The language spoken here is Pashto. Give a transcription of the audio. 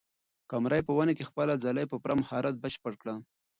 قمرۍ په ونې کې خپله ځالۍ په پوره مهارت بشپړه کړه.